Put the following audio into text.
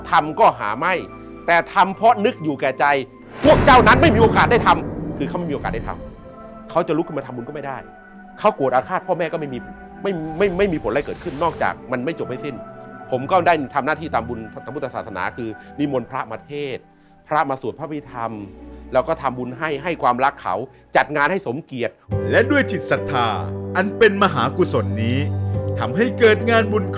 ได้ทำคือเขาไม่มีโอกาสได้ทำเขาจะลุกมาทำบุญก็ไม่ได้เขากวดอาฆาตพ่อแม่ก็ไม่มีผลไรเกิดขึ้นนอกจากมันไม่จบให้สิ้นผมก็ได้ทำหน้าที่ตามบุญตามพุทธศาสนาคือมีมนต์พระมาเทศพระมาสวดพระวิธรรมแล้วก็ทำบุญให้ความรักเขาจัดงานให้สมเกียรติและด้วยจิตศรัทธาอันเป็นมหากุศลนี้ทำให้เกิดงานบุ